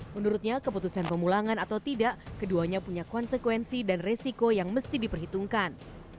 menurutnya keputusan pemulangan atau tidak keduanya punya konsekuensi dan resiko yang mesti diperhitungkan